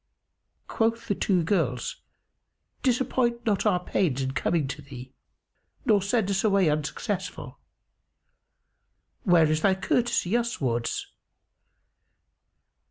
Quoth the two girls, "Disappoint not our pains in coming to thee nor send us away unsuccessful. Where is thy courtesy uswards?